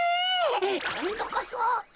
こんどこそ。